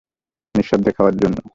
নিঃশব্দে খাওয়ার জন্য।